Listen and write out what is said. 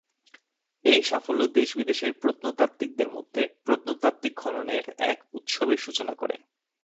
এই সাফল্য দেশ-বিদেশের প্রত্নতাত্ত্বিকদের মধ্যে প্রত্নতাত্ত্বিক খননের এক উৎসবের সূচনা করে।